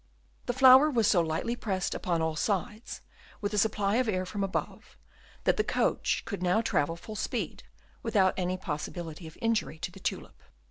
The flower was so lightly pressed upon all sides, with a supply of air from above, that the coach could now travel full speed without any possibility of injury to the tulip.